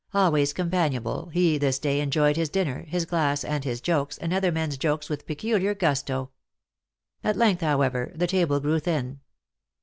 Always companionable, he this day enjoyed his dinner, his glass, and his jokes, and other men s jokes, with peculiar gusto. At length, however, the table grew thin.